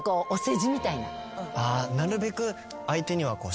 なるべく。